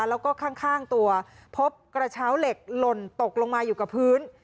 แล้วก็ข้างตัวพบกระเช้าเหล็กหล่นตกลงมาอยู่กับพื้น